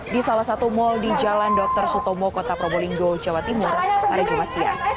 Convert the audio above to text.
di salah satu mal di jalan dr sutomo kota probolinggo jawa timur pada jumat siang